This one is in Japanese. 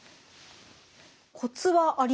コツはありますか？